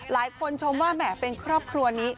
ชมว่าแหมเป็นครอบครัวนี้